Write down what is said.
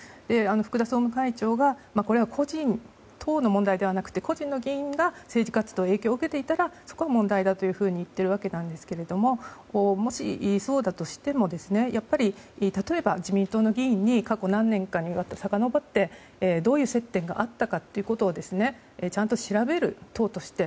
福田総務会長が党の問題ではなくて個人の議員が政治活動に影響を受けていたら問題だと言っているわけですがもしそうだとしてもやっぱり例えば自民党の議員に過去何年かにさかのぼってどういう接点があったかということをちゃんと調べる、党として。